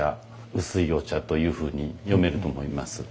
薄いお茶というふうに読めると思います。